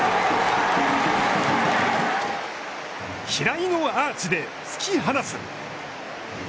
平井のアーチで突き放す。